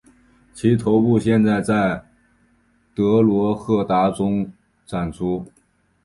其头部现在在德罗赫达的中展出。